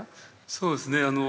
そうですね